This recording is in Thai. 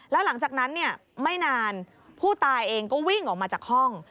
แล้วหลังจากนั้นไม่นานผู้ตายเองก็วิ่งออกมาจากห้อง